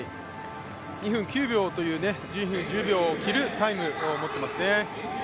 ２分９秒という、１０秒を切るタイムを持っていますね。